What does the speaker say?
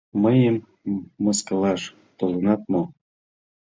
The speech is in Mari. — Мыйым мыскылаш толынат мо?